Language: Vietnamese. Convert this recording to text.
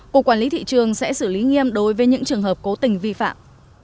cục quản lý thị trường sẽ xử lý nghiêm đối với những trường hợp cố tình vi phạm